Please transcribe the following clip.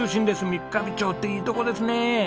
三ヶ日町っていいとこですね。